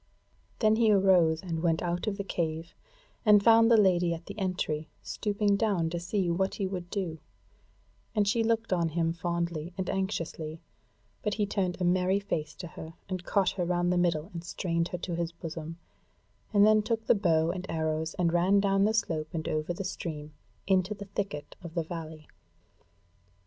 Then he arose and went out of the cave, and found the Lady at the entry stooping down to see what he would do; and she looked on him fondly and anxiously; but he turned a merry face to her, and caught her round the middle and strained her to his bosom, and then took the bow and arrows and ran down the slope and over the stream, into the thicket of the valley.